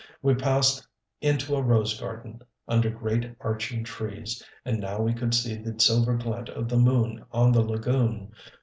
We passed into a rose garden, under great, arching trees, and now we could see the silver glint of the moon on the lagoon.